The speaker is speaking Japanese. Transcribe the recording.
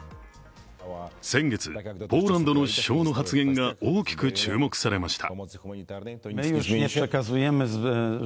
先月、ポーランドの首相の発言が大きく注目されました。